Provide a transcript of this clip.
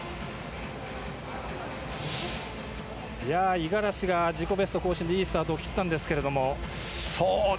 五十嵐が自己ベスト更新でいいスタートを切ったんですが。